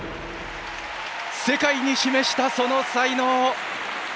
世界に示した、その才能。